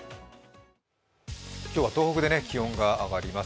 今日は東北で気温が上がります。